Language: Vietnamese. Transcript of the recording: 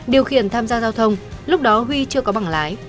điều khiển tham gia giao thông lúc đó huy chưa có bảng lái